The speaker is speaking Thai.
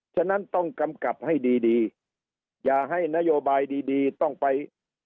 ฉะนั้นต้องกำกับให้ดีดีอย่าให้นโยบายดีดีต้องไป